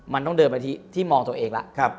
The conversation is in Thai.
มันต้องเดินไปที่มองตัวเองแล้ว